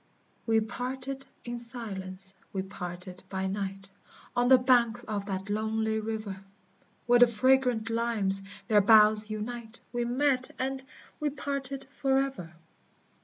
We parted in silence, we parted by night, On the banks of that lonely river; Where the fragrant limes their boughs unite, We met and we parted forever!